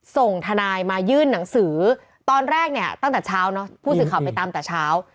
ส่งทนายมายื่นหนังสือตอนแรกเนี่ยตั้งแต่เช้าเนอะผู้สื่อข่าวไปตามแต่เช้า